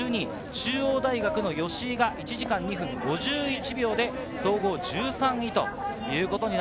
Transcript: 中央大学・吉居が１時間２分５１秒で、総合１３位。